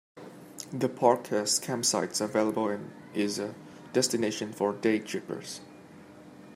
The park has campsites available and is a destination for daytrippers.